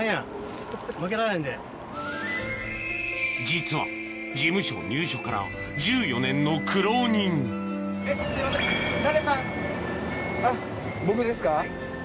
実は事務所入所から１４年の苦労人あっ僕ですか。